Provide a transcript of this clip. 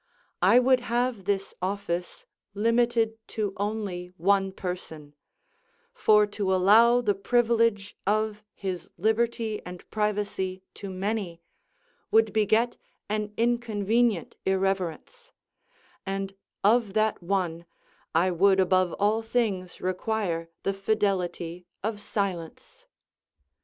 I would have this office limited to only one person; for to allow the privilege of his liberty and privacy to many, would beget an inconvenient irreverence; and of that one, I would above all things require the fidelity of silence.